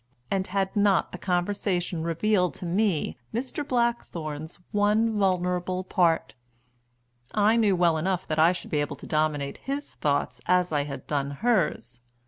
And had not the conversation revealed to me Mr. Blackthorn's one vulnerable part? I knew well enough that I should be able to dominate his thoughts as I had done hers.